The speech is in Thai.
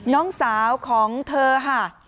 น้องสาวของเธอค่ะ